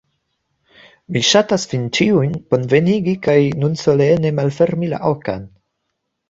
Mi ŝatas vin ĉiujn bonvenigi kaj nun solene malfermi la okan